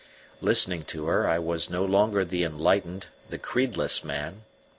Listening to her I was no longer the enlightened, the creedless man.